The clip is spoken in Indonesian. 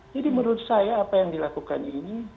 jadi menurut saya apa yang dilakukan ini